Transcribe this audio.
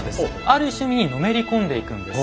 ある趣味にのめり込んでいくんです。